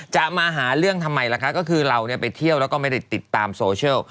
จะมาหาเรื่องทำไมล่ะคะก็คือเราไปเที่ยวแล้วก็ไม่ได้ติดตามโซเชียล